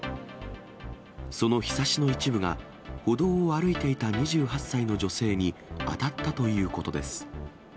そのひさしの一部が、歩道を歩いていた２８歳の女性に当たったということです。